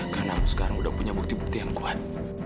karena aku sekarang udah punya bukti bukti yang kuat